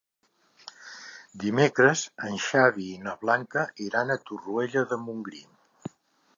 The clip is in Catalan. Dimecres en Xavi i na Blanca iran a Torroella de Montgrí.